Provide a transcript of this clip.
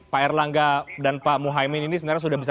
pak erlangga dan pak muhyemi ini sudah bisa